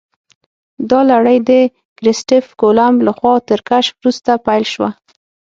دا لړۍ د کریسټف کولمب لخوا تر کشف وروسته پیل شوه.